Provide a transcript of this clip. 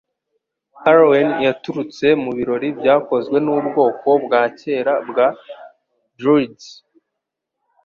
Halloween Yaturutse Mubirori byakozwe nubwoko bwa kera bwa Druids